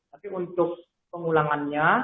tapi untuk pengulangannya